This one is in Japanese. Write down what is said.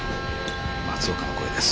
松岡の声です。